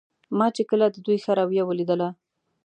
ما چې کله د دوی ښه رویه ولیدله.